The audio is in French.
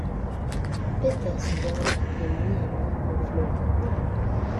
Petersburg et Miami en Floride.